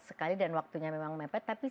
sekali dan waktunya memang mepet tapi